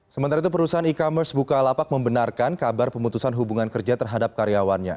sementara itu perusahaan e commerce bukalapak membenarkan kabar pemutusan hubungan kerja terhadap karyawannya